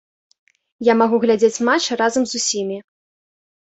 Я магу глядзець матч разам з усімі.